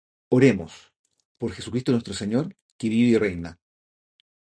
Oremos. ... por Jesucristo nuestro Señor, que vive y reina